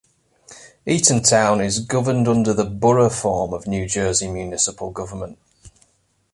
Eatontown is governed under the Borough form of New Jersey municipal government.